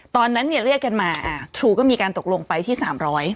ตอนนั้นเนี่ยเรียกกันมาอ่าทรูก็มีการตกลงไปที่สามร้อย